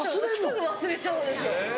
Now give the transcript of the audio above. すぐ忘れちゃうんですよ。